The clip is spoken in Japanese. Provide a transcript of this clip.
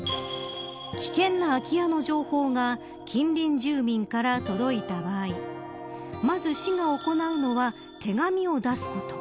危険な空き家の情報が近隣住民から届いた場合まず、市が行うのは手紙を出すこと。